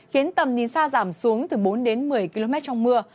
khiến tầm nhìn xa giảm xuống từ bốn đến một mươi km trong mưa